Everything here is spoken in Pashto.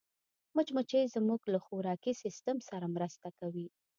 مچمچۍ زموږ له خوراکي سیسټم سره مرسته کوي